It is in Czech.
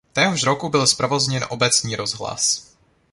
Téhož roku byl zprovozněn obecní rozhlas.